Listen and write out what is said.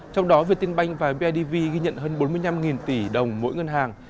bốn mươi năm tỷ đồng mỗi ngân hàng